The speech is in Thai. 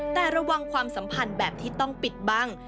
แต่ระวังความสัมพันธ์แบบที่ต้องปิดบัง